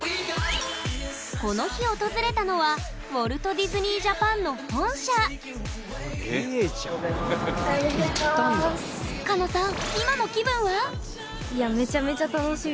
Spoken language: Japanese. この日訪れたのはウォルト・ディズニー・ジャパンの本社ｋａｎｏさん